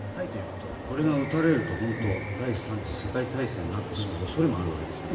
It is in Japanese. これが撃たれると第３次世界大戦になってしまう恐れもあるわけですよね。